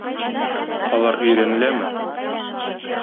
Алар өйрәнеләме?